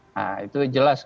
nah itu jelas